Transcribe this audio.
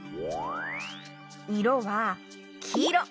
いろはきいろ。